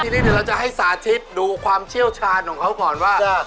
ทีนี้เดี๋ยวเราจะให้สาธิตดูความเชี่ยวชาญของเขาก่อนว่า